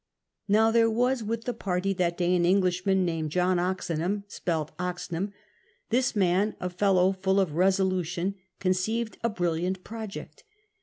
Now there was with the party that djiy an Englishman mimed John Oxenham — spelt Oxnam. This man, a fellow full of resolution, conceived a brilliant project.